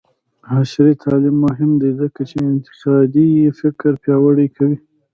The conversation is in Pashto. عصري تعلیم مهم دی ځکه چې انتقادي فکر پیاوړی کوي.